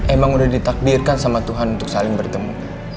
emang udah ditakdirkan sama tuhan untuk saling bertemu